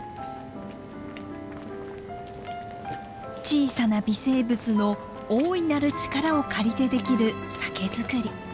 小さな微生物の大いなる力を借りてできる酒造り。